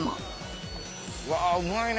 うわうまいね。